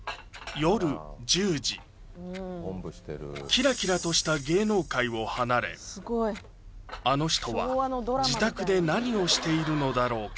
夜１０時キラキラとした芸能界を離れあの人は自宅で何をしているのだろうか？